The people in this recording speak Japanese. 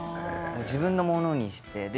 自分のものにして。